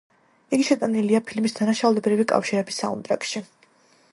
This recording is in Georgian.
იგი შეტანილია ფილმის „დანაშაულებრივი კავშირები“ საუნდტრეკში.